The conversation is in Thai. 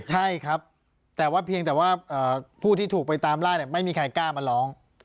ใช่ครับแต่ว่าเพียงแต่ว่าผู้ที่ถูกไปตามล่าไม่มีใครกล้ามาร้อง